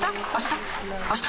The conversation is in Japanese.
あした？